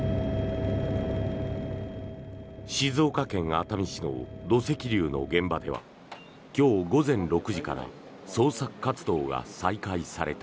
静岡県熱海市の土石流の現場では今日午前６時から捜索活動が再開された。